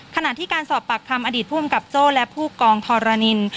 ขณะที่การสอบปากคำอดีตผู้อำกับโจ้และผู้กองทรนิน